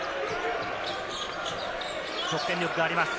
得点力があります。